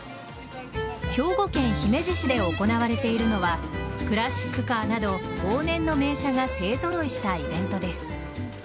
兵庫県姫路市で行われているのはクラシックカーなど往年の名車が勢揃いしたイベントです。